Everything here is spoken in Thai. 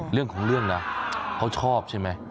เรื่องของเรื่องนะเขาชอบใช่ไหม